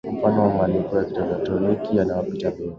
mfano wa malipo ya kielektroniki yanayopitia benki